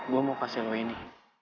gue mau kasih lo ini